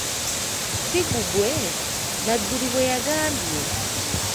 Ssi gugwe? Nadduli bwe yagambye.